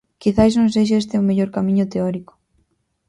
Quizais non sexa este o mellor camiño teórico.